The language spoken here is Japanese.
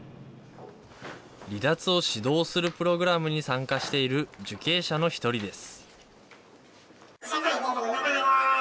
離脱を指導するプログラムに参加している受刑者の１人です。